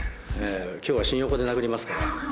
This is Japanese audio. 今日は新横で殴りますから。